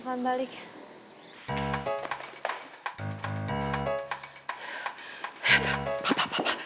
jadi kayaknya bagaimana mas astra